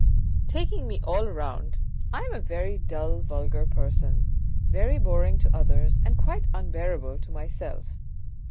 " Taking me all round I am a very dull, vulgar person, very boring to others and quite unbearable to myself."